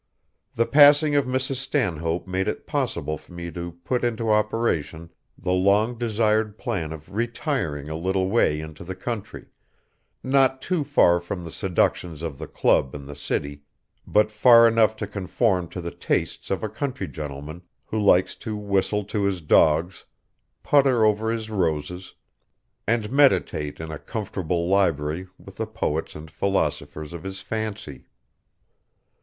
The passing of Mrs. Stanhope made it possible for me to put into operation the long desired plan of retiring a little way into the country, not too far from the seductions of the club and the city, but far enough to conform to the tastes of a country gentleman who likes to whistle to his dogs, putter over his roses, and meditate in a comfortable library with the poets and philosophers of his fancy.